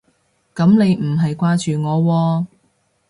噉你唔係掛住我喎